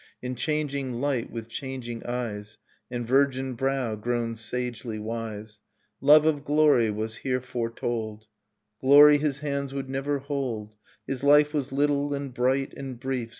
In changing light, with changing eyes, And virgin brow grown sagely wise. Love of glory was here foretold — Innocence Glory his hands would never hold; j His life was little and bright and brief.